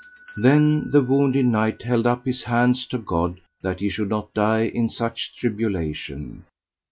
Then the wounded knight held up his hands to God that he should not die in such tribulation.